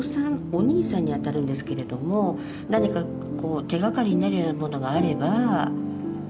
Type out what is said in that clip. お兄さんにあたるんですけれども何かこう手がかりになるようなものがあれば。